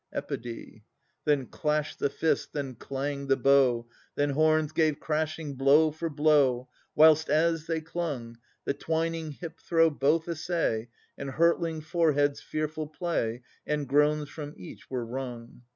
Then clashed the fist, then clanged the bow; II Then horns gave crashing blow for blow, Whilst, as they clung, The twining hip throw both essay And hurtling foreheads' fearful play, And groans from each were wrung.